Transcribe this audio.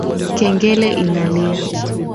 Kengele inalia